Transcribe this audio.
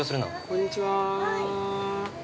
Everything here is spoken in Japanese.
◆こんにちは。